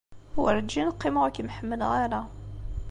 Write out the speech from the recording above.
Werǧin qqimeɣ ur kem-ḥemmleɣ ara.